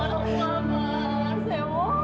kunci ini aku yang pegang